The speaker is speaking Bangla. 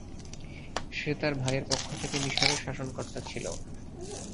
সে তার ভাইয়ের পক্ষ থেকে মিসরের শাসনকর্তা ছিল।